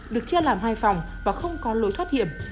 được chia làm hai phòng và không có lối thoát hiểm